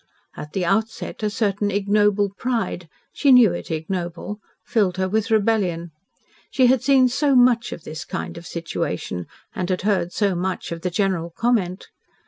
At the outset a certain ignoble pride she knew it ignoble filled her with rebellion. She had seen so much of this kind of situation, and had heard so much of the general comment.